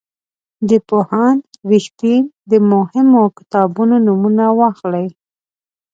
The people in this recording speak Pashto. د پوهاند رښتین د مهمو کتابونو نومونه واخلئ.